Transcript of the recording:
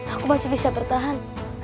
aku masih bisa bertahan